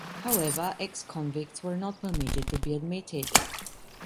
However, ex-convicts were not permitted to be admitted.